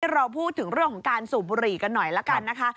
เราพูดถึงเรื่องของการสูบบุหรี่กันหน่อยละกันนะคะ